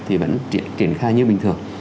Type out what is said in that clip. thì vẫn triển khai như bình thường